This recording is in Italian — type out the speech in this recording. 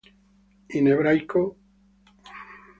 In ebraico: כסלב.